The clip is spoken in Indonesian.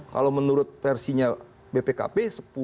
kalau menurut versinya bpkp sepuluh sembilan puluh delapan